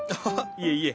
いえいえ。